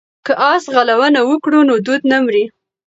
که اس ځغلونه وکړو نو دود نه مري.